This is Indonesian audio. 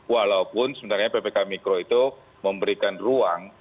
walaupun sebenarnya ppkm mikro itu memberikan ruang